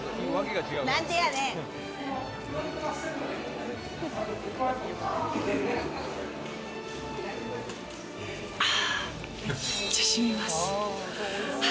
めっちゃしみます。